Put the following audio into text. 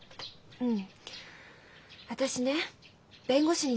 うん。